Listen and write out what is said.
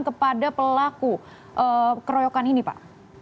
kepada pelaku keroyokan ini pak